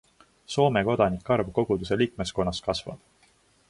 Soome kodanike arv koguduse liikmeskonnas kasvab.